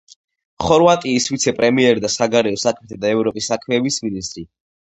ხორვატიის ვიცე-პრემიერი და საგარეო საქმეთა და ევროპის საქმეების მინისტრი.